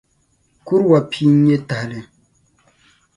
Kuruwa pia n-nyɛ tahili.